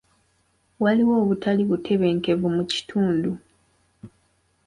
Waliwo obutali butebenkevu mu kitundu.